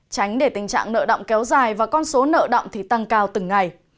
tránh để tình trạng nợ động kéo dài và con số nợ động thì tăng cao từng ngày